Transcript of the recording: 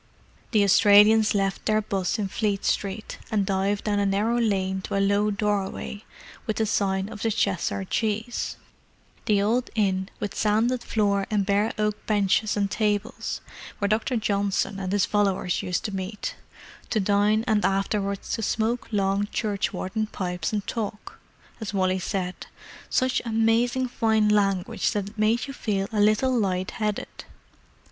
The Australians left their 'bus in Fleet Street, and dived down a narrow lane to a low doorway with the sign of the Cheshire Cheese—the old inn with sanded floor and bare oak benches and tables, where Dr. Johnson and his followers used to meet, to dine and afterwards to smoke long churchwarden pipes and talk, as Wally said, "such amazing fine language that it made you feel a little light headed."